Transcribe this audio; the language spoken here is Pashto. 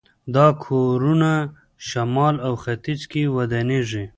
دا کورونه شمال او ختیځ کې ودانېږي.